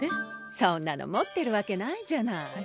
そんなの持ってるわけないじゃない。